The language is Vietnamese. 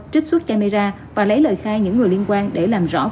trích xuất camera và lấy lời khai những người liên quan để làm rõ vụ trộm